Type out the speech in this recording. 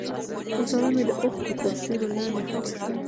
زړه مې د اوښکو تر سیوري لاندې ښخ شو.